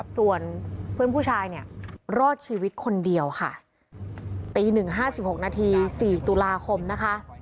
ส่วนเพื่อนผู้ชายเนี่ยรอดชีวิตคนเดียวค่ะตีหนึ่งห้าสิบหกนาที๔ตุลาคมนะคะ